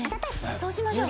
そうしましょう。